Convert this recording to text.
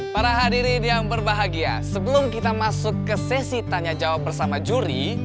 para hadirin yang berbahagia sebelum kita masuk ke sesi tanya jawab bersama juri